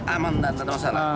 aman dan tidak ada masalah